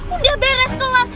udah beres telat